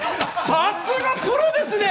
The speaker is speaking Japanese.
さすがプロですね！